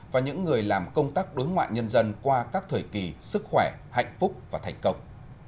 và những người làm công tác đối ngoại nhân dân qua các thời kỳ sức khỏe hạnh phúc và thành công